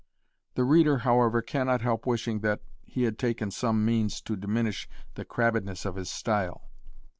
The reader however cannot help wishing that he had taken some means to diminish the crabbedness of his style.